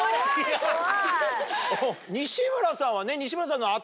西村さんはね。